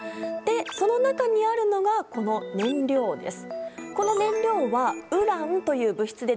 その中にあるのがこの燃料です。